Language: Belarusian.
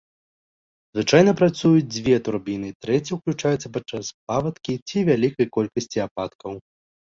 Звычайна працуюць дзве турбіны, трэцяя уключаецца падчас паводкі ці вялікай колькасці ападкаў.